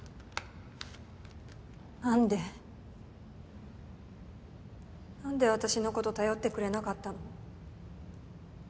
なんでなんで私のこと頼ってくれなかったの？